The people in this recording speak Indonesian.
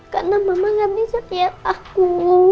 karena mama gak bisa liat aku